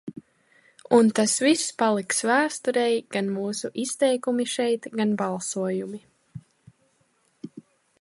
Un tas viss paliks vēsturei, gan mūsu izteikumi šeit, gan balsojumi.